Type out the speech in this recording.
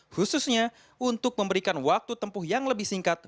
khususnya untuk memberikan waktu tempuh yang lebih singkat